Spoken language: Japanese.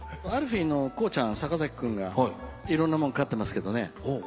ＡＬＦＥＥの幸ちゃん坂崎君がいろんなもん飼ってますけどね